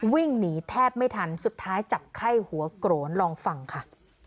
วิ่งหนีแทบไม่ทันสุดท้ายจับไข้หัวโกรนลองฟังค่ะ